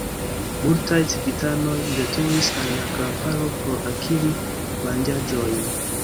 Multaj civitanoj veturis al la kamparo por akiri manĝaĵojn.